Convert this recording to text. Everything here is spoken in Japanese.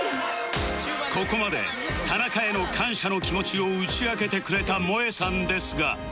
ここまで田中への感謝の気持ちを打ち明けてくれたもえさんですが